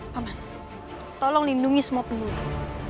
pak man tolong lindungi semua penuh